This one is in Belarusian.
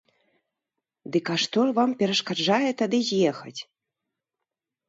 Дык а што вам перашкаджае тады з'ехаць?